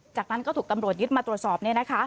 จากนั้นก็ถูกตำรวจยึดมาตรวจสอบ